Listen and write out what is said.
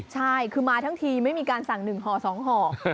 ใช่คือมาทั้งทีไม่มีการสั่ง๑ห่อ๒ห่อ